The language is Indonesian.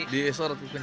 di esor bukunya